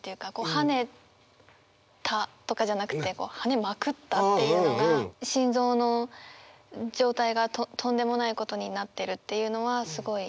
「跳ねた」とかじゃなくて「跳ねまくった」っていうのが心臓の状態がとんでもないことになってるっていうのはすごい。